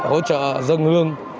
hỗ trợ dân hương